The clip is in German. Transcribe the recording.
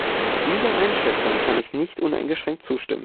Dieser Einschätzung kann ich nicht uneingeschränkt zustimmen.